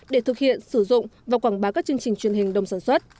để thực hiện sử dụng và quảng bá các chương trình truyền hình đồng sản xuất